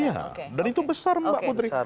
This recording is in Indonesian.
iya dan itu besar mbak putri